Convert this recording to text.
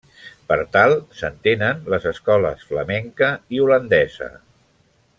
Per tal s'entenen les escoles flamenca i holandesa.